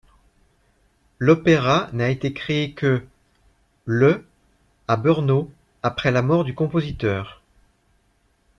L'opéra n'a été créé que le à Brno, après la mort du compositeur.